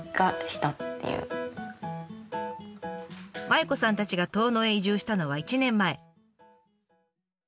麻衣子さんたちが遠野へ移住したのは１年前。